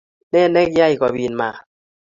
Ne nekiyay kobit mat ?